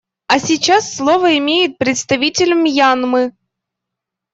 А сейчас слово имеет представитель Мьянмы.